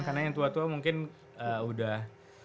karena yang tua tua mungkin udah